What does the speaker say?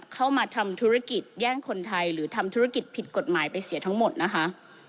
เข้ามาทำธุรกิจแย่งคนไทยหรือทำธุรกิจผิดกฎหมายไปเสียทั้งหมดนะคะ